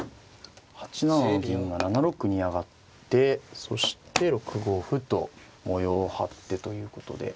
８七の銀が７六に上がってそして６五歩と模様を張ってということで。